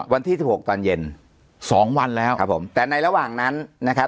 วันที่สิบหกตอนเย็นสองวันแล้วครับผมแต่ในระหว่างนั้นนะครับ